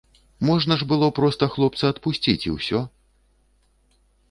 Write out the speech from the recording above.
Можна ж было б проста хлопца адпусціць, і ўсё.